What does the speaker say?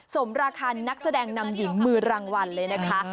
สมราคานักแสดงนำหญิงมือรางวัลเลยนะคะ